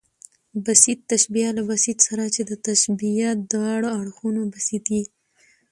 بسیط تشبیه له بسیط سره، چي د تشبیه د واړه اړخونه بسیط يي.